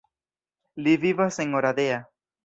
Li vivas en Oradea.